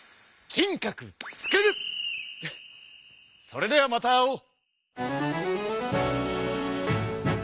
それではまた会おう。